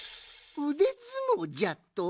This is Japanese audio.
うでずもうじゃと！？